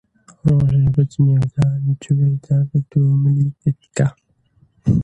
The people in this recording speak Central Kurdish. ڕۆژێ بە جنێودان جووەی داگرت و ملی گرت کە: